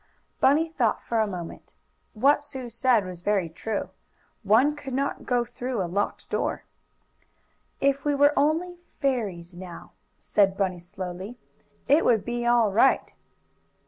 Bunny thought for a moment. What Sue said was very true. One could not go through a locked door. "If we were only fairies now," said Bunny slowly, "it would be all right."